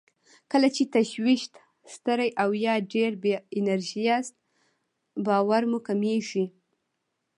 کله چې تشویش، ستړی او يا ډېر بې انرژي ياست باور مو کمېږي.